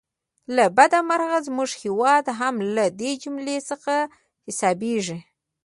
له بده مرغه زموږ هیواد هم له دې جملې څخه حسابېږي.